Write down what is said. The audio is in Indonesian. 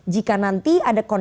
jika nanti ada konflik